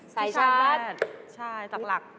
สายชาร์จใช่สักหลัก